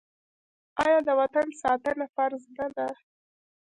آیا د وطن ساتنه فرض نه ده؟